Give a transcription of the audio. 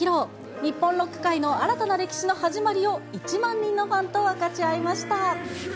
日本ロック界の新たな歴史の始まりを１万人のファンと分かち合いました。